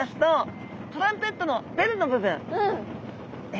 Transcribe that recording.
え